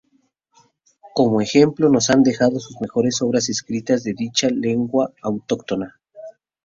Como ejemplo nos ha dejado sus mejores obras escritas de dicha lengua autóctona.